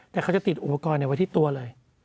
แต่เขาจะติดอุปกรณ์ไว้ที่ตัวเลย